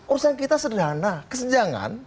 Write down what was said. urusan kita sederhana kesejangan